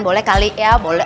boleh kali ya boleh